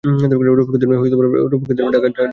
রফিক উদ্দিন আহমেদ ঢাকায় জন্মগ্রহণ করেন।